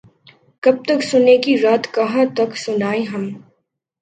کب تک سنے گی رات کہاں تک سنائیں ہم